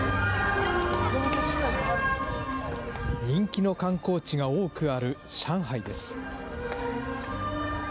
人気の観光地が多くある上海です。